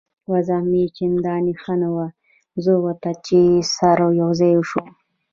وضع مې چندانې ښه نه وه، زه او ته چې سره یو ځای شوو.